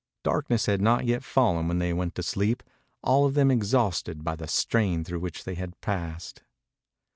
Darkness had not yet fallen when they went to sleep, all of them exhausted by the strain through which they had passed.